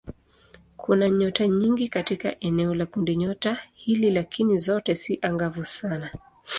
Kuna nyota nyingi katika eneo la kundinyota hili lakini zote si angavu sana.